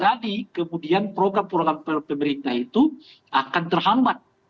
dan misalnya kemudian program program pemerintah itu akan terhambat